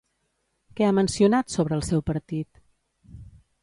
Què ha mencionat sobre el seu partit?